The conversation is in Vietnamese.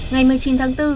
ngày một mươi chín tháng bốn